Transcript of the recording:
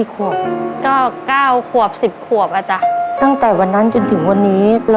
ครับครับครับครับครับครับครับ